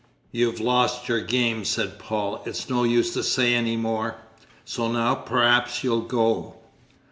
"You've lost your game," said Paul; "it's no use to say any more. So now, perhaps, you'll go?"